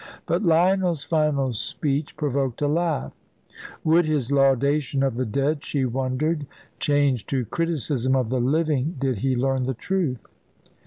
But Lionel's final speech provoked a laugh. Would his laudation of the dead, she wondered, change to criticism of the living, did he learn the truth?